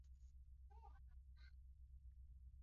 届时分享一下吧